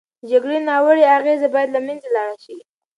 د جګړې ناوړه اغېزې باید له منځه لاړې شي.